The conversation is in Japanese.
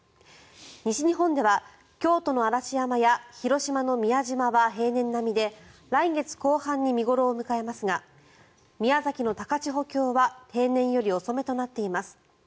西日本では京都の嵐山や広島の宮島は平年並みで来月後半に見頃を迎えますが宮崎の高千穂峡は平年より遅めとなっています。